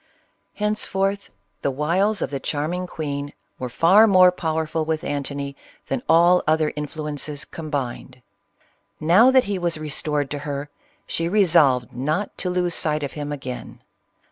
Henceforth the wiles of the charming queen were CLEOPATRA. far more powerful with Antony than all other influ ences combined. Now that he was restored to her, she resolved not to lose sight of him again.